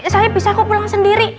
saya bisa kok pulang sendiri